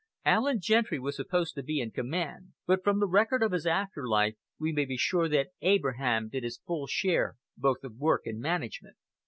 Allen Gentry was supposed to be in command, but from the record of his after life we may be sure that Abraham did his full share both of work and management.